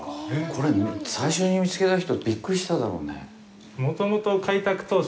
これ、最初に見つけた人、ビックリしただろうね？